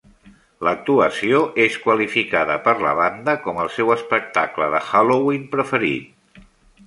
L'actuació és qualificada per la banda com el seu espectacle de Halloween preferit.